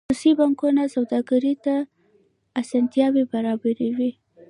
خصوصي بانکونه سوداګرو ته اسانتیاوې برابروي